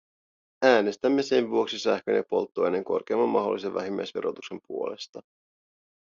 Äänestämme sen vuoksi sähkön ja polttoaineen korkeimman mahdollisen vähimmäisverotuksen puolesta.